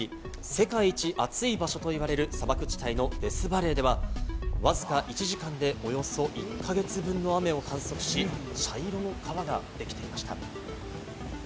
世界一暑い場所といわれる砂漠地帯のデスバレーでは、わずか１時間でおよそ１か月分の雨を観測し、茶色の川ができていました。